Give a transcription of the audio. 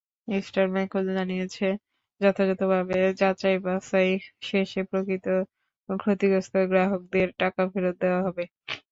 Eastern ব্যাংকও জানিয়েছে, যথাযথভাবে যাচাই-বাছাই শেষে প্রকৃত ক্ষতিগ্রস্ত গ্রাহকদের টাকা ফেরত দেওয়া হবে।